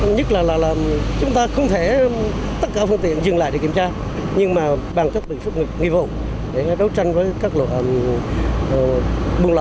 nhất là chúng ta không thể tất cả phương tiện dừng lại để kiểm tra nhưng mà bằng các lực lượng nghi vụ để đấu tranh với các lực lượng buôn lậu gian lặng thương mại vào cuối năm này